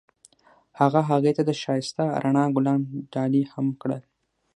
هغه هغې ته د ښایسته رڼا ګلان ډالۍ هم کړل.